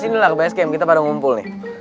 sini lah ke bes km kita pada ngumpul nih